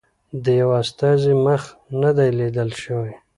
د یوه استازي مخ نه دی لیدل شوی.